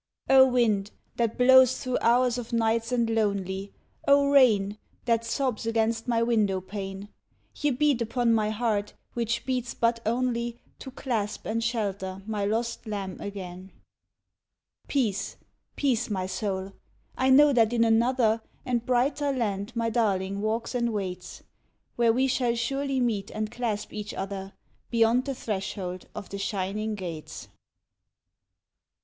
Oh wind! that blows through hours of nights and lonely, Oh rain! that sobs against my window pane, Ye beat upon my heart, which beats but only To clasp and shelter my lost lamb again. Peace peace, my soul: I know that in another And brighter land my darling walks and waits, Where we shall surely meet and clasp each other, Beyond the threshold of the shining gates.